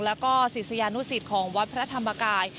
แล้วก็ศิษยานุสิตของวัดพระธรรมกาย